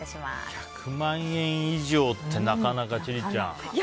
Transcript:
１００万円以上ってなかなか千里ちゃん。